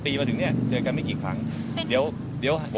ประกันตัวมันอยู่ที่สนศ์